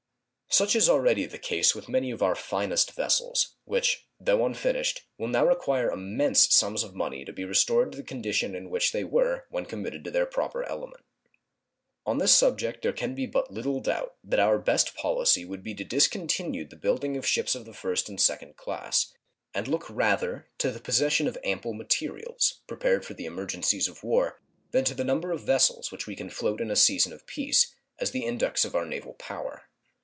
Such is already the case with many of our finest vessels, which, though unfinished, will now require immense sums of money to be restored to the condition in which they were when committed to their proper element. On this subject there can be but little doubt that our best policy would be to discontinue the building of ships of the first and second class, and look rather to the possession of ample materials, prepared for the emergencies of war, than to the number of vessels which we can float in a season of peace, as the index of our naval power.